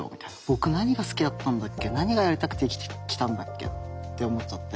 僕何が好きだったんだっけ何がやりたくて生きてきたんだっけって思っちゃって。